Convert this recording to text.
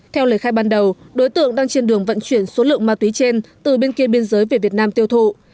theo lời khai ban đầu đối tượng đang trên đường vận chuyển số lượng ma túy trên từ bên kia biên giới về việt nam tiêu thụ